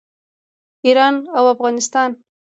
ایران او افغانستان.